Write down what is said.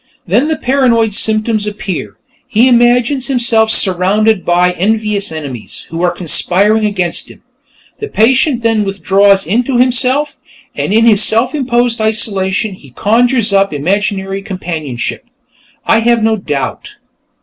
Then the paranoid symptoms appear; he imagines himself surrounded by envious enemies, who are conspiring against him. The patient then withdraws into himself, and in his self imposed isolation, he conjures up imaginary companionship. I have no doubt...."